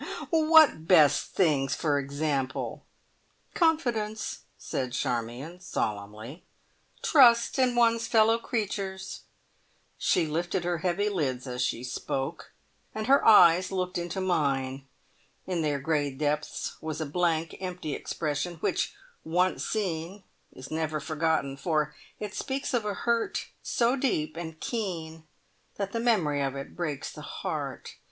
"What best things, for example?" "Confidence," said Charmion solemnly. "Trust in one's fellow creatures." She lifted her heavy lids as she spoke, and her eyes looked into mine. In their grey depths was a blank, empty expression, which once seen is never forgotten, for it speaks of a hurt so deep and keen that the memory of it breaks the heart.